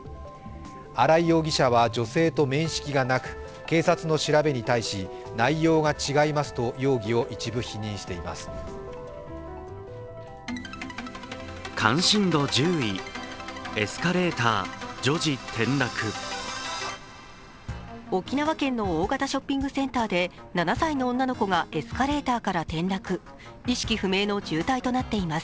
荒井容疑者は女性と面識がなく警察の調べに対し、内容が違いますと容疑を一部否認しています。